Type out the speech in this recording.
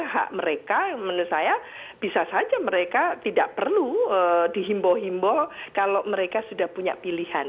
hak mereka menurut saya bisa saja mereka tidak perlu dihimbau himbo kalau mereka sudah punya pilihan